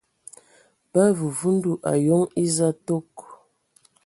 Ba vuvundu ayoŋ eza tok.